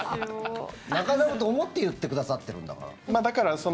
中居さんのことを思って言ってくださってるんだから。